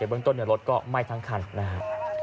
เบื้องตนรถก็ไม่ทั้งขันนะฮะ